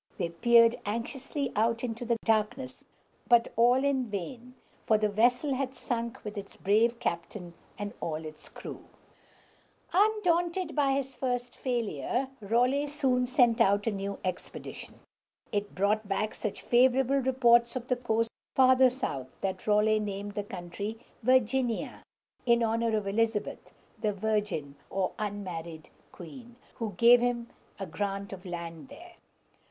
They peered anxiously out into the darkness, but all in vain, for the vessel had sunk with its brave captain and all its crew. [Illustration: Raleigh and Queen Elizabeth.] Undaunted by this first failure, Raleigh soon sent out a new expedition. It brought back such favorable reports of the coast farther south that Raleigh named the country Virgin´i a, in honor of Elizabeth, the virgin (or unmarried) queen, who gave him a grant of land there.